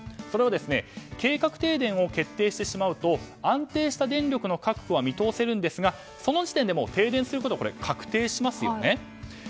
それは計画停電を決定してしまうと安定した電力確保は見通せますがその時点で停電することが確定しますよね。